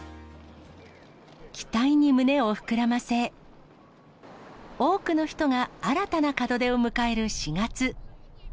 期待に胸を膨らませ、多くの人が新たな門出を迎える４月。